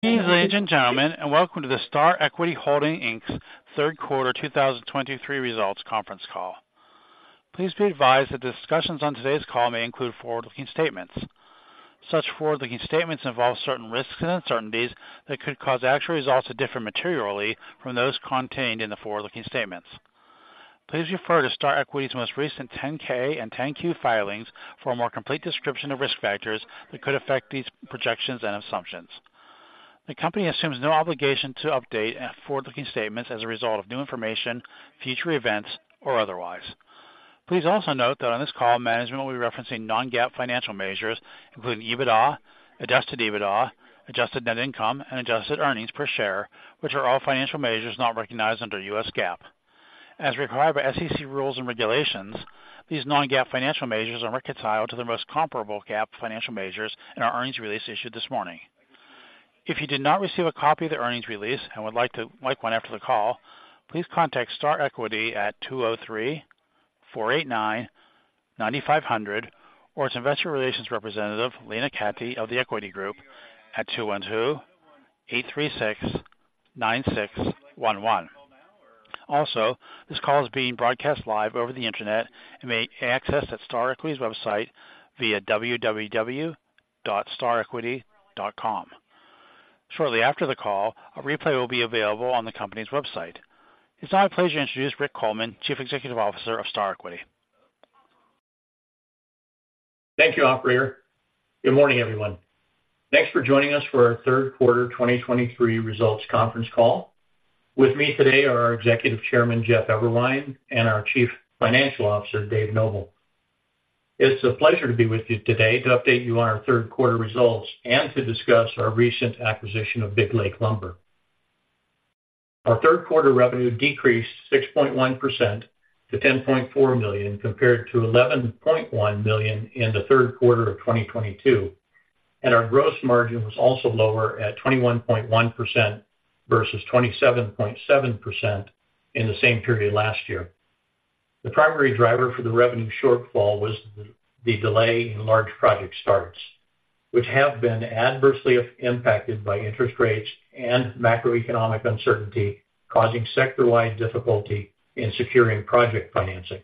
Good evening, ladies and gentlemen, and welcome to the Star Equity Holdings, Inc.'s third quarter 2023 results conference call. Please be advised that discussions on today's call may include forward-looking statements. Such forward-looking statements involve certain risks and uncertainties that could cause actual results to differ materially from those contained in the forward-looking statements. Please refer to Star Equity's most recent 10-K and 10-Q filings for a more complete description of risk factors that could affect these projections and assumptions. The company assumes no obligation to update any forward-looking statements as a result of new information, future events, or otherwise. Please also note that on this call, management will be referencing non-GAAP financial measures, including EBITDA, adjusted EBITDA, adjusted net income, and adjusted earnings per share, which are all financial measures not recognized under U.S. GAAP. As required by SEC rules and regulations, these non-GAAP financial measures are reconciled to the most comparable GAAP financial measures in our earnings release issued this morning. If you did not receive a copy of the earnings release and would like one after the call, please contact Star Equity at 203-489-9500, or its Investor Relations representative, Lena Cati, of The Equity Group, at 212-836-9611. Also, this call is being broadcast live over the internet and may access at Star Equity's website via www.starequity.com. Shortly after the call, a replay will be available on the company's website. It's now my pleasure to introduce Rick Coleman, Chief Executive Officer of Star Equity. Thank you, operator. Good morning, everyone. Thanks for joining us for our third quarter 2023 results conference call. With me today are our Executive Chairman, Jeff Eberwein, and our Chief Financial Officer, Dave Noble. It's a pleasure to be with you today to update you on our third quarter results and to discuss our recent acquisition of Big Lake Lumber. Our third quarter revenue decreased 6.1% to $10.4 million, compared to $11.1 million in the third quarter of 2022, and our gross margin was also lower at 21.1% versus 27.7% in the same period last year. The primary driver for the revenue shortfall was the delay in large project starts, which have been adversely impacted by interest rates and macroeconomic uncertainty, causing sector-wide difficulty in securing project financing.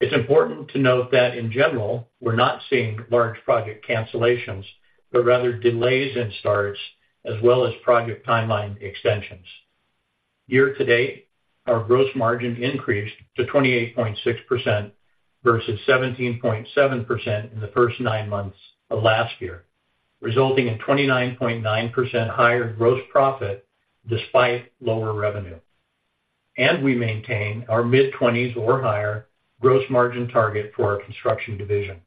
It's important to note that, in general, we're not seeing large project cancellations, but rather delays in starts as well as project timeline extensions. Year-to-date, our gross margin increased to 28.6% versus 17.7% in the first nine months of last year, resulting in 29.9% higher gross profit despite lower revenue, and we maintain our mid-20s or higher gross margin target for our construction division.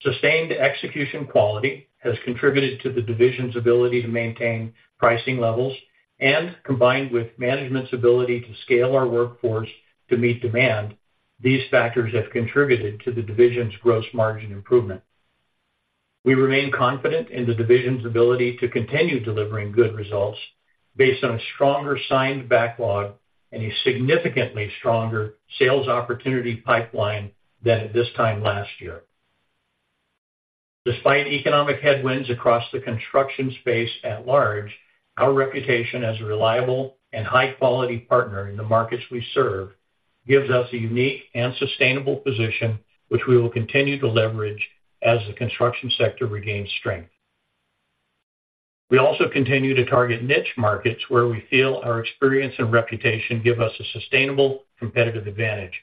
Sustained execution quality has contributed to the division's ability to maintain pricing levels, and combined with management's ability to scale our workforce to meet demand, these factors have contributed to the division's gross margin improvement. We remain confident in the division's ability to continue delivering good results based on a stronger signed backlog and a significantly stronger sales opportunity pipeline than at this time last year. Despite economic headwinds across the construction space at large, our reputation as a reliable and high-quality partner in the markets we serve gives us a unique and sustainable position, which we will continue to leverage as the construction sector regains strength. We also continue to target niche markets where we feel our experience and reputation give us a sustainable competitive advantage.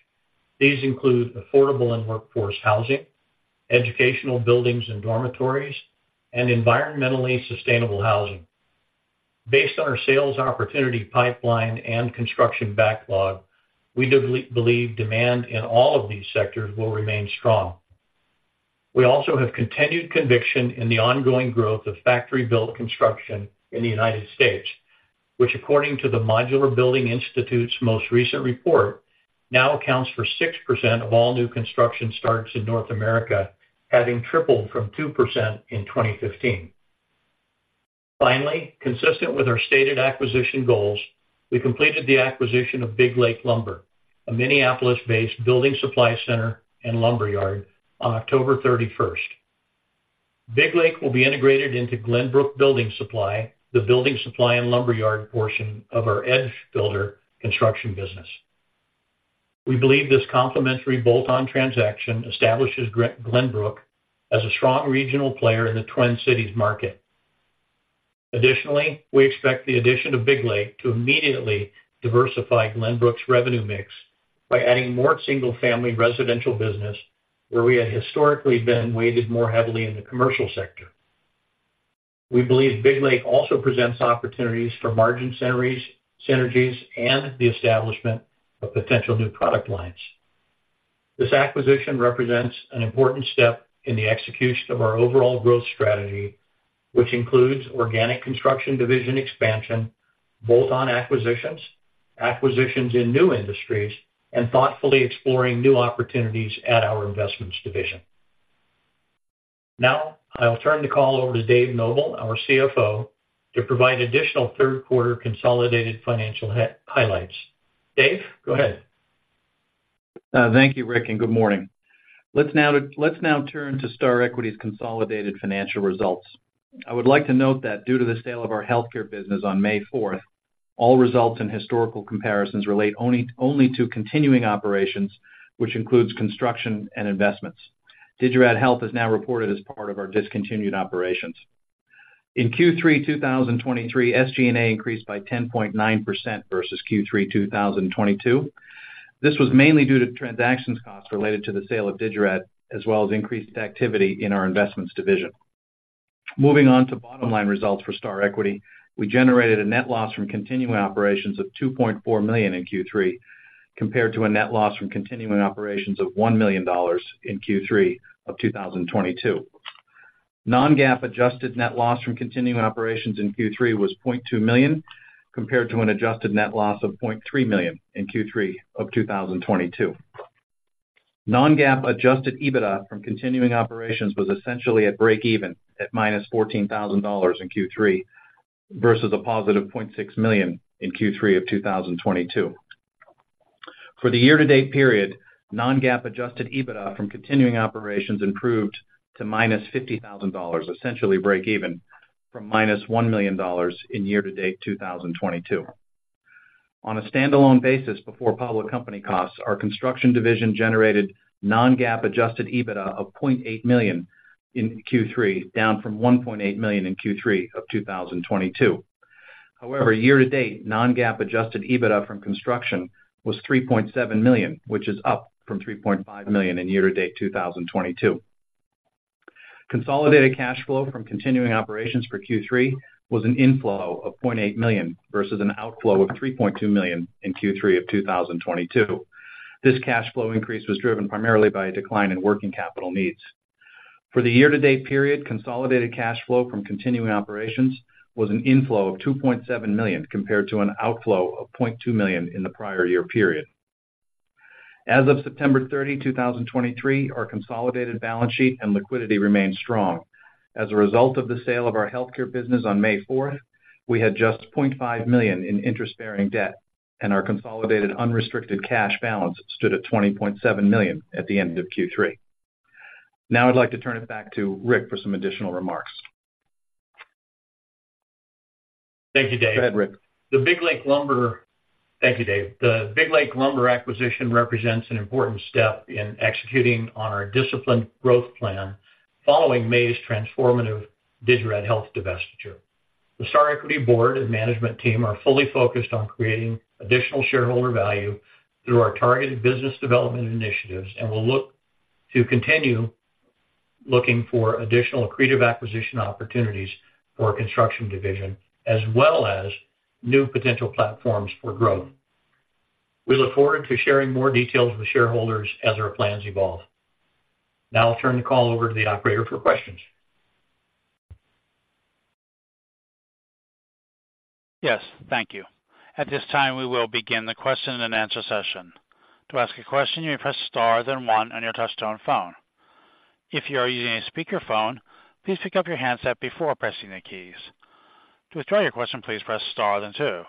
These include affordable and workforce housing, educational buildings and dormitories, and environmentally sustainable housing. Based on our sales opportunity pipeline and construction backlog, we believe demand in all of these sectors will remain strong. We also have continued conviction in the ongoing growth of factory-built construction in the United States, which, according to the Modular Building Institute's most recent report, now accounts for 6% of all new construction starts in North America, having tripled from 2% in 2015. Finally, consistent with our stated acquisition goals, we completed the acquisition of Big Lake Lumber, a Minneapolis-based building supply center and lumber yard, on October 31st. Big Lake will be integrated into Glenbrook Building Supply, the building supply and lumberyard portion of our Edge Builder construction business. We believe this complementary bolt-on transaction establishes Glenbrook as a strong regional player in the Twin Cities market. Additionally, we expect the addition of Big Lake to immediately diversify Glenbrook's revenue mix by adding more single-family residential business, where we had historically been weighted more heavily in the commercial sector. We believe Big Lake also presents opportunities for margin synergies, synergies, and the establishment of potential new product lines. This acquisition represents an important step in the execution of our overall growth strategy, which includes organic construction division expansion, bolt-on acquisitions, acquisitions in new industries, and thoughtfully exploring new opportunities at our investments division. Now, I'll turn the call over to Dave Noble, our CFO, to provide additional third quarter consolidated financial highlights. Dave, go ahead. Thank you, Rick, and good morning. Let's now turn to Star Equity's consolidated financial results. I would like to note that due to the sale of our healthcare business on May 4th, all results in historical comparisons relate only, only to continuing operations, which includes construction and investments. Digirad Health is now reported as part of our discontinued operations. In Q3 2023, SG&A increased by 10.9% versus Q3 2022. This was mainly due to transaction costs related to the sale of Digirad, as well as increased activity in our investments division. Moving on to bottom line results for Star Equity, we generated a net loss from continuing operations of $2.4 million in Q3, compared to a net loss from continuing operations of $1 million in Q3 2022. Non-GAAP adjusted net loss from continuing operations in Q3 was $0.2 million, compared to an adjusted net loss of $0.3 million in Q3 of 2022. Non-GAAP adjusted EBITDA from continuing operations was essentially at break even, at -$14,000 in Q3, versus a +$0.6 million in Q3 of 2022. For the year-to-date period, non-GAAP adjusted EBITDA from continuing operations improved to -$50,000, essentially break even, from -$1 million in year-to-date 2022. On a standalone basis, before public company costs, our construction division generated non-GAAP adjusted EBITDA of $0.8 million in Q3, down from $1.8 million in Q3 of 2022. However, year-to-date, non-GAAP adjusted EBITDA from construction was $3.7 million, which is up from $3.5 million in year-to-date 2022. Consolidated cash flow from continuing operations for Q3 was an inflow of $0.8 million, versus an outflow of $3.2 million in Q3 of 2022. This cash flow increase was driven primarily by a decline in working capital needs. For the year-to-date period, consolidated cash flow from continuing operations was an inflow of $2.7 million, compared to an outflow of $0.2 million in the prior year period. As of September 30, 2023, our consolidated balance sheet and liquidity remained strong. As a result of the sale of our healthcare business on May 4th, we had just $0.5 million in interest-bearing debt, and our consolidated unrestricted cash balance stood at $20.7 million at the end of Q3. Now, I'd like to turn it back to Rick for some additional remarks. Thank you, Dave. Go ahead, Rick. Thank you, Dave. The Big Lake Lumber acquisition represents an important step in executing on our disciplined growth plan, following May's transformative Digirad Health divestiture. The Star Equity board and management team are fully focused on creating additional shareholder value through our targeted business development initiatives, and we'll look to continue looking for additional accretive acquisition opportunities for our construction division, as well as new potential platforms for growth. We look forward to sharing more details with shareholders as our plans evolve. Now I'll turn the call over to the operator for questions. Yes, thank you. At this time, we will begin the question-and-answer session. To ask a question, you may press star, then one on your touch-tone phone. If you are using a speakerphone, please pick up your handset before pressing the keys. To withdraw your question, please press star, then two.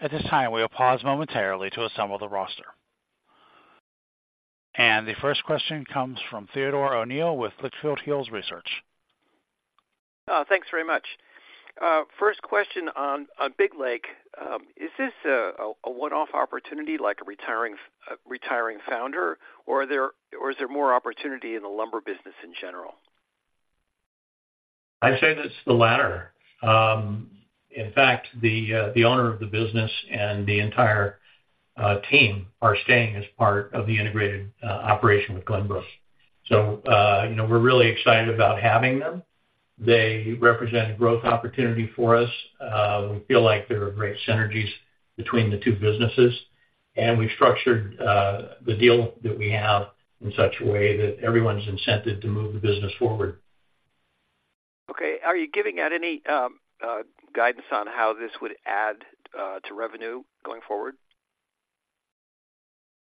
At this time, we will pause momentarily to assemble the roster. The first question comes from Theodore O'Neill with Litchfield Hills Research. Thanks very much. First question on Big Lake. Is this a one-off opportunity, like a retiring founder, or is there more opportunity in the lumber business in general? I'd say that's the latter. In fact, the owner of the business and the entire team are staying as part of the integrated operation with Glenbrook. So, you know, we're really excited about having them. They represent a growth opportunity for us. We feel like there are great synergies between the two businesses, and we've structured the deal that we have in such a way that everyone's incented to move the business forward. Okay. Are you giving out any guidance on how this would add to revenue going forward?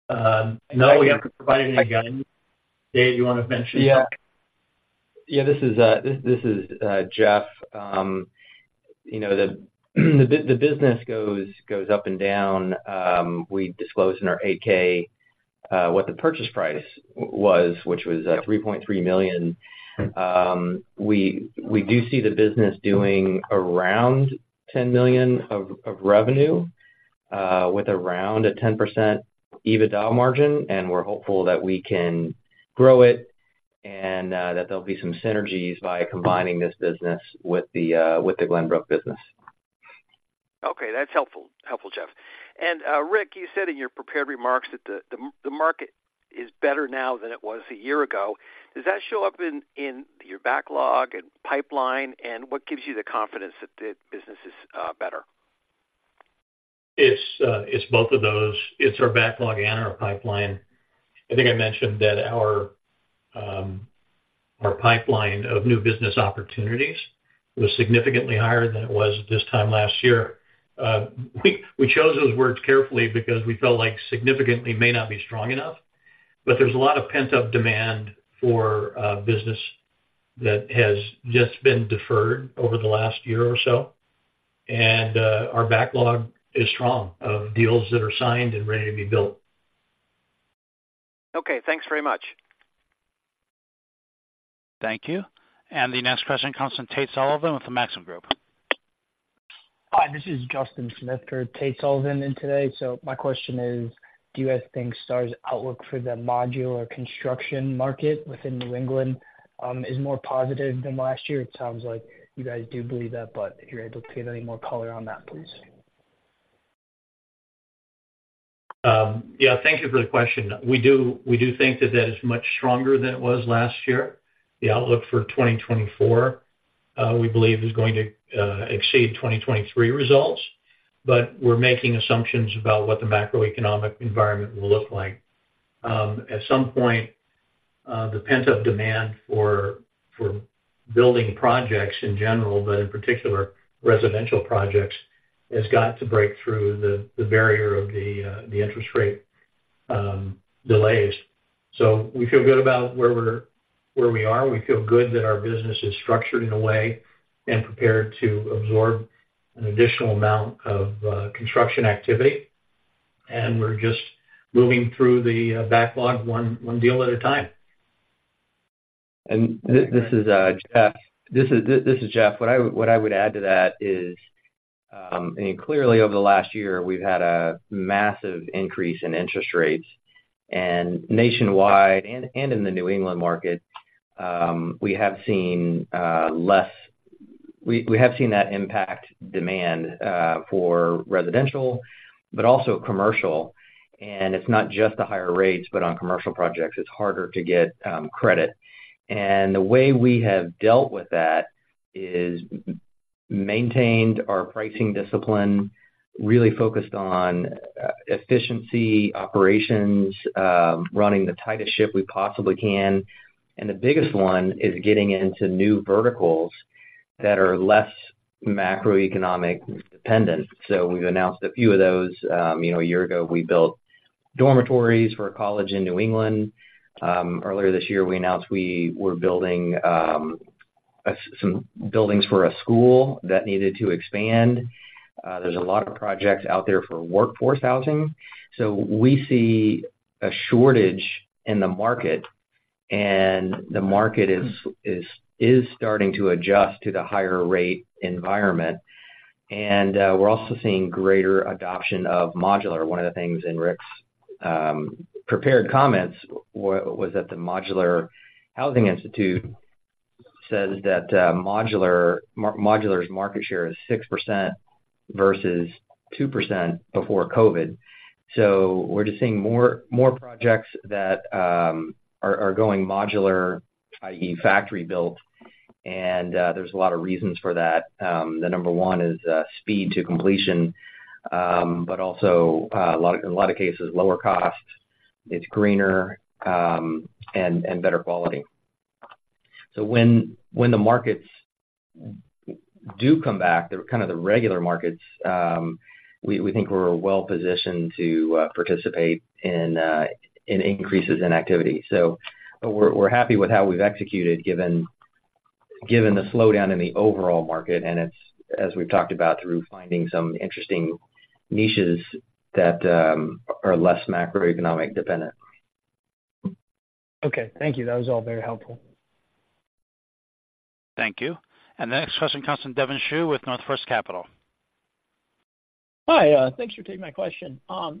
No, we haven't provided any guidance. Dave, you want to mention? Yeah. Yeah, this is Jeff. You know, the business goes up and down. We disclose in our 8-K what the purchase price was, which was $3.3 million. We do see the business doing around $10 million of revenue with around a 10% EBITDA margin, and we're hopeful that we can grow it and that there'll be some synergies by combining this business with the Glenbrook business. Okay. That's helpful. Helpful, Jeff. And, Rick, you said in your prepared remarks that the market is better now than it was a year ago. Does that show up in your backlog and pipeline, and what gives you the confidence that the business is better? It's both of those. It's our backlog and our pipeline. I think I mentioned that our pipeline of new business opportunities was significantly higher than it was at this time last year. We chose those words carefully because we felt like significantly may not be strong enough, but there's a lot of pent-up demand for business that has just been deferred over the last year or so, and our backlog is strong of deals that are signed and ready to be built. Okay, thanks very much. Thank you. And the next question comes from Tate Sullivan with the Maxim Group. Hi, this is Justin Smith for Tate Sullivan in today. So my question is: do you guys think Star's outlook for the modular construction market within New England is more positive than last year? It sounds like you guys do believe that, but if you're able to give any more color on that, please. Yeah, thank you for the question. We do, we do think that that is much stronger than it was last year. The outlook for 2024, we believe is going to exceed 2023 results, but we're making assumptions about what the macroeconomic environment will look like. At some point, the pent-up demand for building projects in general, but in particular, residential projects, has got to break through the barrier of the interest rate delays. So we feel good about where we are. We feel good that our business is structured in a way and prepared to absorb an additional amount of construction activity, and we're just moving through the backlog one deal at a time. This is Jeff. This is Jeff. What I would add to that is, and clearly, over the last year, we've had a massive increase in interest rates. And nationwide and in the New England market, we have seen less. We have seen that impact demand for residential, but also commercial. And it's not just the higher rates, but on commercial projects, it's harder to get credit. And the way we have dealt with that is maintained our pricing discipline, really focused on efficiency, operations, running the tightest ship we possibly can, and the biggest one is getting into new verticals that are less macroeconomic dependent. So we've announced a few of those. You know, a year ago, we built dormitories for a college in New England. Earlier this year, we announced we were building some buildings for a school that needed to expand. There's a lot of projects out there for Workforce Housing. So we see a shortage in the market, and the market is starting to adjust to the higher rate environment. And we're also seeing greater adoption of modular. One of the things in Rick's prepared comments was that the Modular Building Institute says that modular's market share is 6% versus 2% before COVID. So we're just seeing more projects that are going modular, i.e., factory built, and there's a lot of reasons for that. The number one is speed to completion, but also, in a lot of cases, lower cost. It's greener, and better quality. So when the markets do come back, they're kind of the regular markets, we think we're well-positioned to participate in increases in activity. So we're happy with how we've executed, given the slowdown in the overall market, and it's, as we've talked about, through finding some interesting niches that are less macroeconomic dependent. Okay, thank you. That was all very helpful. Thank you. The next question comes from Devon Xu with North First Capital. Hi, thanks for taking my question.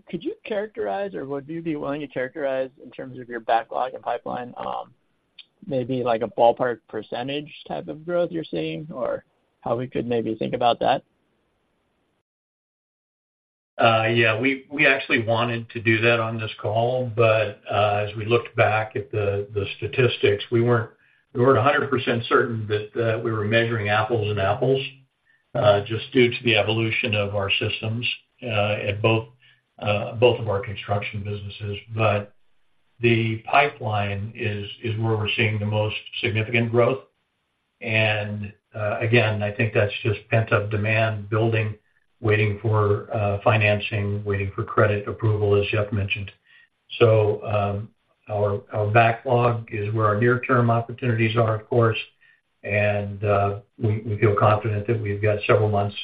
Could you characterize or would you be willing to characterize in terms of your backlog and pipeline, maybe like a ballpark percentage type of growth you're seeing, or how we could maybe think about that? Yeah. We actually wanted to do that on this call, but as we looked back at the statistics, we weren't 100% certain that we were measuring apples and apples, just due to the evolution of our systems at both of our construction businesses. But the pipeline is where we're seeing the most significant growth. And again, I think that's just pent-up demand building, waiting for financing, waiting for credit approval, as Jeff mentioned. So our backlog is where our near-term opportunities are, of course, and we feel confident that we've got several months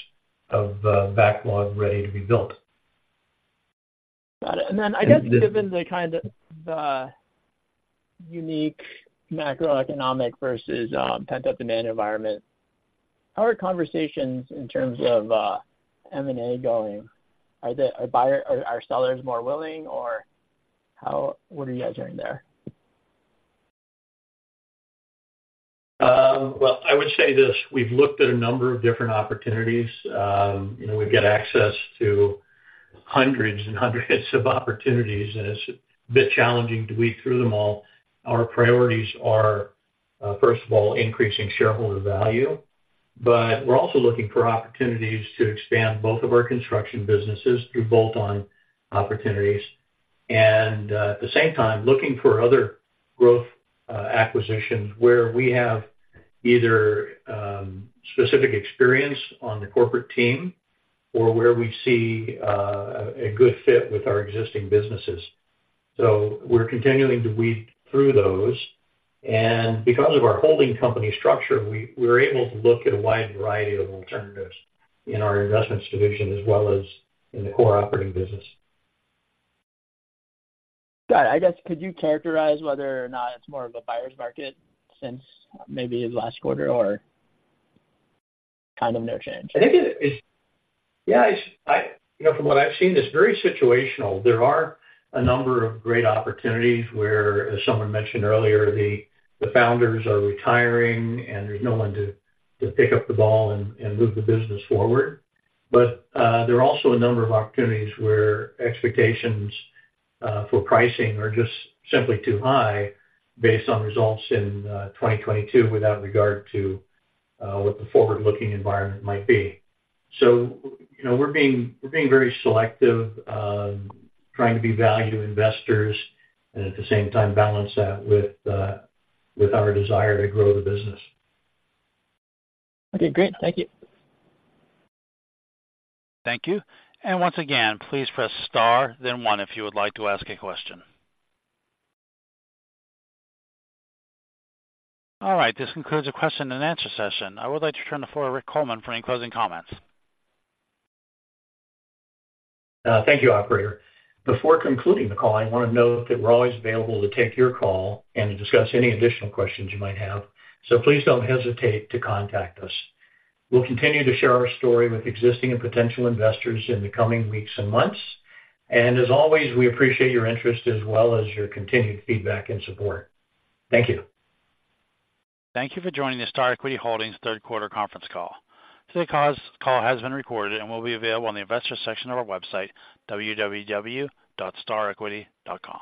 of backlog ready to be built. Got it. And then I guess given the kind of unique macroeconomic versus pent-up demand environment, how are conversations in terms of M&A going? Are buyers or sellers more willing, or how, what are you guys hearing there? Well, I would say this: we've looked at a number of different opportunities. You know, we've got access to hundreds and hundreds of opportunities, and it's a bit challenging to weed through them all. Our priorities are first of all, increasing shareholder value, but we're also looking for opportunities to expand both of our construction businesses through bolt-on opportunities, and at the same time, looking for other growth acquisitions where we have either specific experience on the corporate team or where we see a good fit with our existing businesses. So we're continuing to weed through those, and because of our holding company structure, we, we're able to look at a wide variety of alternatives in our investments division as well as in the core operating business. Got it. I guess, could you characterize whether or not it's more of a buyer's market since maybe last quarter or kind of no change? I think, you know, from what I've seen, it's very situational. There are a number of great opportunities where, as someone mentioned earlier, the founders are retiring, and there's no one to pick up the ball and move the business forward. But, there are also a number of opportunities where expectations for pricing are just simply too high based on results in 2022, without regard to what the forward-looking environment might be. So, you know, we're being very selective, trying to be value investors and at the same time balance that with our desire to grow the business. Okay, great. Thank you. Thank you. Once again, please press star, then one if you would like to ask a question. All right, this concludes the question and answer session. I would like to turn the floor to Rick Coleman for any closing comments. Thank you, Operator. Before concluding the call, I want to note that we're always available to take your call and to discuss any additional questions you might have, so please don't hesitate to contact us. We'll continue to share our story with existing and potential investors in the coming weeks and months. As always, we appreciate your interest as well as your continued feedback and support. Thank you. Thank you for joining the Star Equity Holdings third quarter conference call. Today's call has been recorded and will be available on the investor section of our website, www.starequity.com.